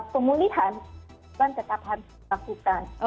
pemulihan tetap harus dilakukan